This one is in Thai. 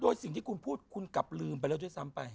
โดยสิ่งที่คุณพูดคุณกลับลืมไปแล้วด้วยซ้ำไป